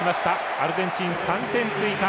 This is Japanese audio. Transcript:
アルゼンチン、３点追加。